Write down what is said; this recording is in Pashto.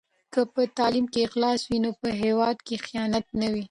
که په تعلیم کې اخلاص وي نو په هېواد کې خیانت نه وي.